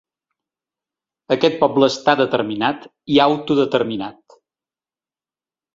Aquest poble està determinat i autodeterminat.